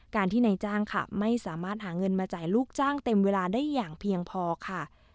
ที่นายจ้างค่ะไม่สามารถหาเงินมาจ่ายลูกจ้างเต็มเวลาได้อย่างเพียงพอค่ะ